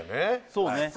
そうね